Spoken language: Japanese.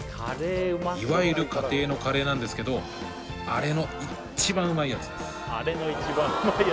いわゆる家庭のカレーなんですけどアレの一番うまいやつです